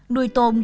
đùi tôm công nghệ